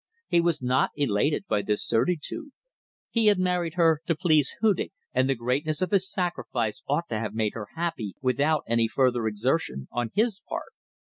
He was not elated by this certitude. He had married her to please Hudig, and the greatness of his sacrifice ought to have made her happy without any further exertion on his part.